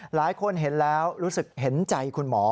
หลายคนเห็นแล้วรู้สึกเห็นใจคุณหมอ